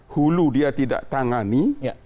hulu dia tidak tangani